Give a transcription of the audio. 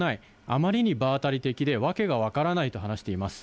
あまりに場当たり的で訳が分からないと話しています。